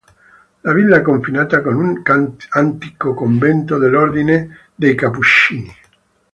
La Villa confinava con un antico convento dell'ordine dei Cappuccini.